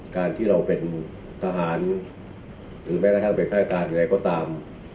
การที่เราเป็นทหารหรือแม้กระทั่งเป็นฆาตการใดก็ตาม